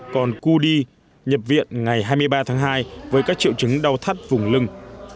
còn cu di nhập viện ngày hai mươi ba tháng hai với các triệu chứng đau thắt vùng lưng